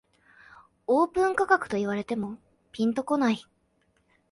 オープン価格と言われてもピンとこない